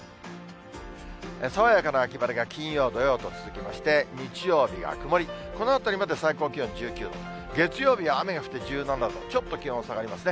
爽やかな秋晴れが金曜、土曜と続きまして、日曜日が曇り、このあたりまで最高気温１９度、月曜日は雨が降って１７度、ちょっと気温下がりますね。